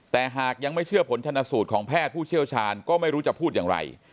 แต่หากยังไม่เชื่อผลชนสูตรของแพทย์ผู้เชี่ยวชาญก็ไม่รู้จะพูดอย่างไร